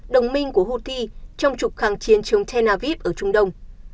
đồng minh của huthi trong trục kháng chiến chống tena vip ở trung đông